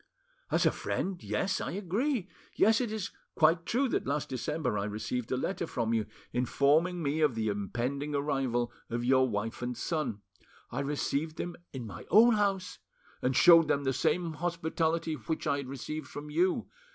"As a friend, yes, I agree. Yes, it is quite true that last December I received a letter from you informing me of the impending arrival of your wife and son. I received them in my own house, and showed them the same hospitality which I had received from you.